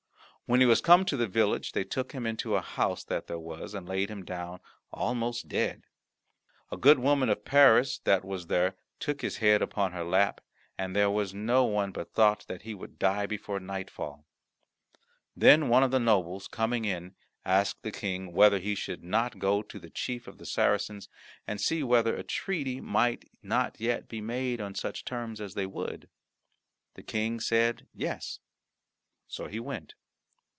When he was come to the village they took him into a house that there was, and laid him down almost dead. A good woman of Paris that was there took his head upon her lap, and there was no one but thought that he would die before nightfall. Then one of the nobles coming in asked the King whether he should not go to the chief of the Saracens, and see whether a treaty might not yet be made on such terms as they would. The King said yes; so he went.